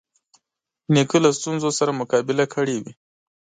نیکه له ستونزو سره مقابله کړې وي.